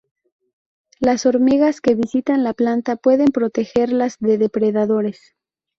Las hormigas que visitan la planta pueden protegerlas de depredadores.